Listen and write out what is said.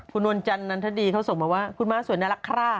คุณนวลจันนันทดีเขาส่งมาว่าคุณม้าสวยน่ารักค่ะ